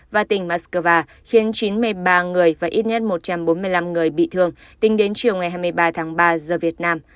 và tỉnh moscow khiến chín mươi ba người và ít nhất một trăm bốn mươi năm người bị thương tính đến chiều ngày hai mươi ba tháng ba giờ việt nam